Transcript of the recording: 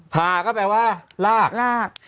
พาก็แปลว่าลาก